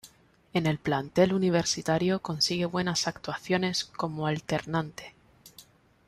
En el plantel 'universitario' consigue buenas actuaciones como alternante.